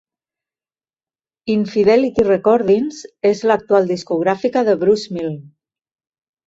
"In-Fidelity Recordings" és l'actual discogràfica de Bruce Milne.